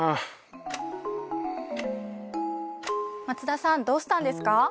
松田さんどうしたんですか？